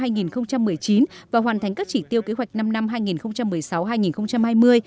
năm hai nghìn một mươi chín và hoàn thành các chỉ tiêu kế hoạch năm năm hai nghìn một mươi sáu hai nghìn hai mươi